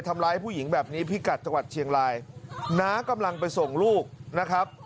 ทำร้ายผู้หญิงแบบนี้พิกัดจังหวัดเชียงรายน้ากำลังไปส่งลูกนะครับ